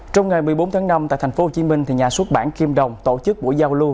trong ngày một mươi bốn tháng năm tại thành phố hồ chí minh nhà xuất bản kim đồng tổ chức buổi giao lưu